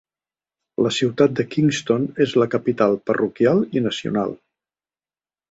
La ciutat de Kingston és la capital parroquial i nacional.